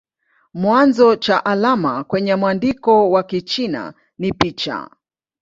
Chanzo cha alama kwenye mwandiko wa Kichina ni picha.